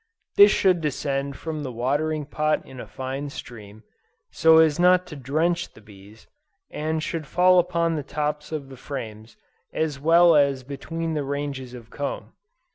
This should descend from the watering pot in a fine stream, so as not to drench the bees, and should fall upon the tops of the frames, as well as between the ranges of comb.